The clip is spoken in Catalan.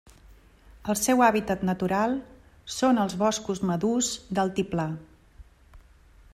El seu hàbitat natural són els boscos madurs d'altiplà.